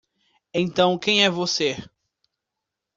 Então quem é você?